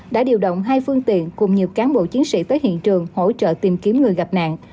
đã điều động hai phương tiện cùng nhiều cán bộ chiến sĩ tới hiện trường hỗ trợ tìm kiếm người gặp nạn